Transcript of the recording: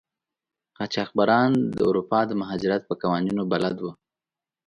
قاچاقبران د اروپا د مهاجرت په قوانینو بلد وو.